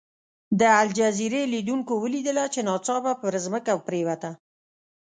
د الجزیرې لیدونکو ولیدله چې ناڅاپه پر ځمکه پرېوته.